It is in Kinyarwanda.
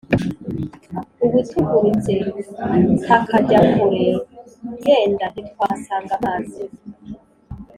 Ubu tugurutse takajya kure yenda ntitwahasanga amazi